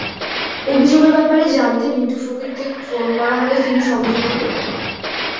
অভিযোগের ব্যাপারে জানতে মিন্টু ফকিরকে ফোন করা হলে তিনি সংযোগ কেটে দেন।